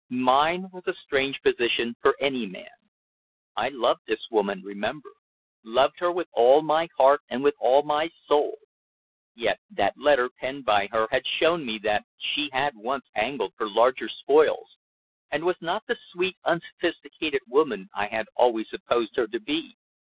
Mine was a strange position for any man. I loved this woman, remember; loved her with all my heart and with all my soul. Yet that letter penned by her had shown me that she had once angled for larger spoils, and was not the sweet unsophisticated woman I had always supposed her to be.